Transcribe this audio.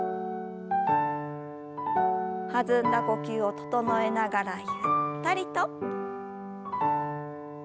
弾んだ呼吸を整えながらゆったりと。